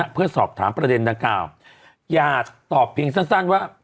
เพื่อสอบถามประเด็นดังกล่าวอย่าตอบเพียงสั้นว่า